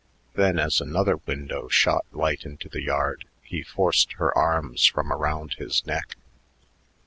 Then as another window shot light into the yard, he forced her arms from around his neck.